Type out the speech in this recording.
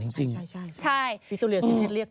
อ๋อใช่จะดุด